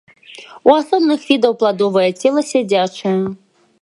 У асобных відаў пладовае цела сядзячае.